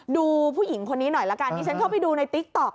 ดูผู้หญิงคนนี้หน่อยละกันดิฉันเข้าไปดูในติ๊กต๊อก